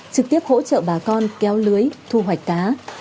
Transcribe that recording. trực tiếp hỗ trợ bà con kéo lưới thu hoạch cá